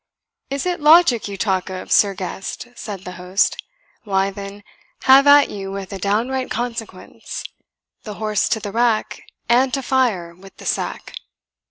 "Is it logic you talk of, Sir Guest?" said the host; "why, then, have at you with a downright consequence 'The horse to the rack, And to fire with the sack.'"